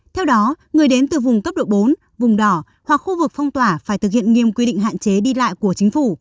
theo đó người đến từ vùng cấp độ bốn vùng đỏ hoặc khu vực phong tỏa phải thực hiện nghiêm quy định hạn chế đi lại của chính phủ